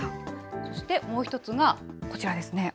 そしてもう一つが、こちらですね。